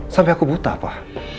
sampai aku buta pak